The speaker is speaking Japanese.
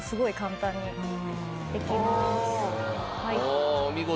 おおお見事。